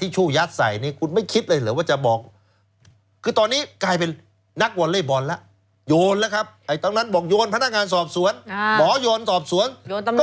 ถือว่าอีกล้างสองเดือนที่ผ่านมานี่คุณไม่บอกเขาสักครั้งหรอกมือเก็บแช่แว่น